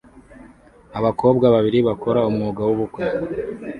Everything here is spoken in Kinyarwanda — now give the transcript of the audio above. Abakobwa babiri bakora umwuga w'ubukwe